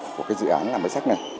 của cái dự án làm bài sách này